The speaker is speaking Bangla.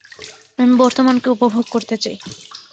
আমি বর্তমানকে উপভোগ করতে চাই।